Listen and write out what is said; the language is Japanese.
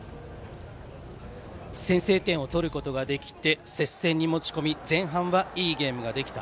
先制点を取ることができて接戦に持ち込み前半はいいゲームができた。